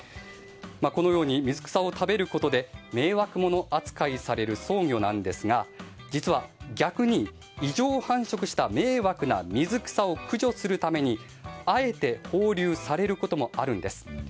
このように水草を食べることで迷惑扱いされるソウギョですが実は、逆に異常繁殖した迷惑な水草を駆除するためにあえて放流されることもあるんです。